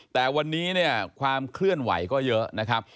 แต่วันนี้เนี่ยความเคลื่อนไหวก็เยอะนะครับ